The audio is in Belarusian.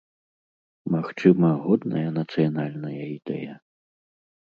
Магчыма, годная нацыянальная ідэя?